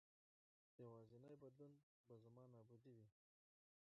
یوازېنی بدلون به زما نابودي وي.